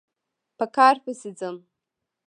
په کار پسې ځم